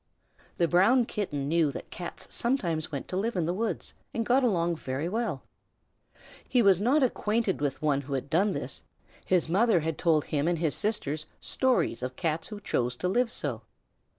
The Brown Kitten knew that Cats sometimes went to live in the woods and got along very well. He was not acquainted with one who had done this; his mother had told him and his sisters stories of Cats who chose to live so.